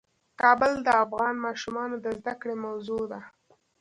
کابل د افغان ماشومانو د زده کړې موضوع ده.